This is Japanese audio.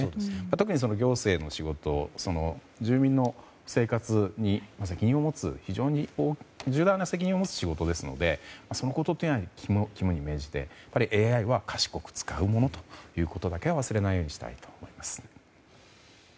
特に行政の仕事は住民の生活に責任を持つ非常に重大な責任を持つ仕事なのでそのことは肝に銘じてＡＩは賢く使うものだということだけは忘れないようにしたいと思います。